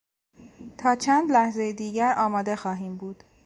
تا چند لحظهی دیگر آماده خواهیم بود.